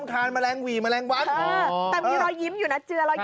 แต่มีรอยยิ้มอยู่นะเจือรอยยิ้มบ้างอยู่นะ